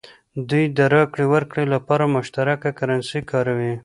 دوی د راکړې ورکړې لپاره مشترکه کرنسي کاروي.